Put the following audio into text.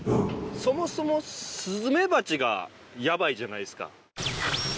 そもそもスズメバチがヤバいじゃないですか。